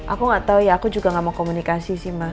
aku gak tau ya aku juga gak mau komunikasi sih mbak